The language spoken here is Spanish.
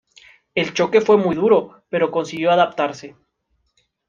El choque fue muy duro pero consiguió adaptarse.